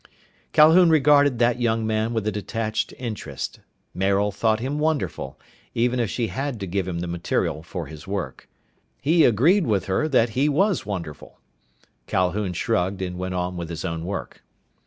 Calhoun regarded that young man with a detached interest. Maril thought him wonderful, even if she had to give him the material for his work. He agreed with her that he was wonderful. Calhoun shrugged and went on with his own work.